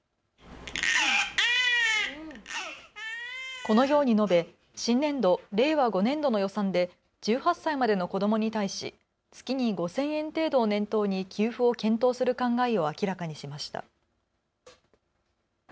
このように述べ新年度・令和５年度の予算で１８歳までの子どもに対し月に５０００円程度を念頭に給付を検討する考えを明らかにしました。